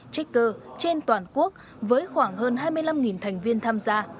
tikter trên toàn quốc với khoảng hơn hai mươi năm thành viên tham gia